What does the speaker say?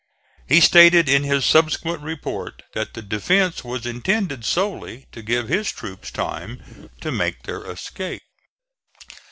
He stated in his subsequent report that the defence was intended solely to give his troops time to make their escape.